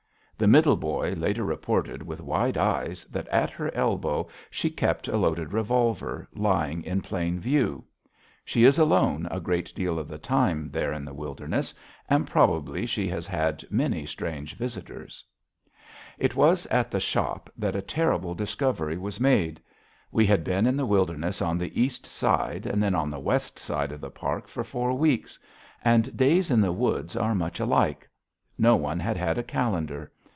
The Middle Boy later reported with wide eyes that at her elbow she kept a loaded revolver lying, in plain view. She is alone a great deal of the time there in the wilderness, and probably she has many strange visitors. It was at the shop that a terrible discovery was made. We had been in the wilderness on the east side and then on the west side of the park for four weeks. And days in the woods are much alike. No one had had a calendar.